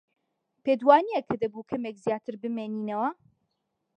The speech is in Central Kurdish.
پێت وانییە کە دەبوو کەمێک زیاتر بمێنینەوە؟